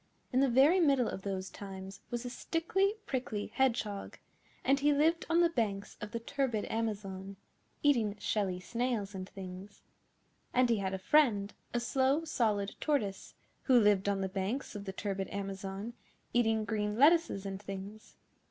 In the very middle of those times was a Stickly Prickly Hedgehog, and he lived on the banks of the turbid Amazon, eating shelly snails and things. And he had a friend, a Slow Solid Tortoise, who lived on the banks of the turbid Amazon, eating green lettuces and things.